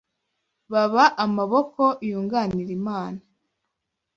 baba amaboko yunganira Imana